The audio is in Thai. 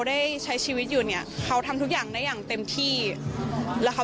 คุณพ่อของน้องจีบอกว่าที่บอกว่าพ่อของอีกคิวมาร่วมแสดงความอารัยในงานสวดศพของน้องจีด้วยคุณพ่อก็ไม่ทันเห็นนะครับ